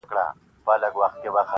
• جوړه انګورو څه پیاله ستایمه..